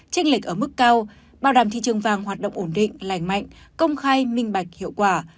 tranh lệch ở mức cao bảo đảm thị trường vàng hoạt động ổn định lành mạnh công khai minh bạch hiệu quả